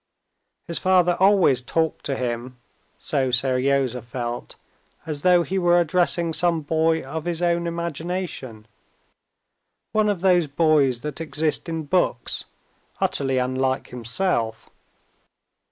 His father always talked to him—so Seryozha felt—as though he were addressing some boy of his own imagination, one of those boys that exist in books, utterly unlike himself.